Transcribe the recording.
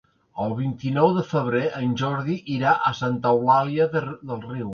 El vint-i-nou de febrer en Jordi irà a Santa Eulària des Riu.